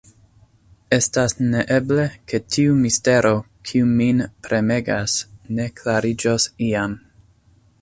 Estas neeble, ke tiu mistero, kiu min premegas, ne klariĝos iam.